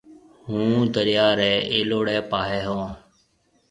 هُون دريا ريَ اَلوڙَي پاهيَ هون۔